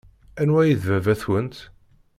Anwa ay d baba-twent?